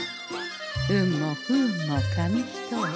運も不運も紙一重。